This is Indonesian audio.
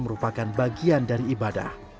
merupakan bagian dari ibadah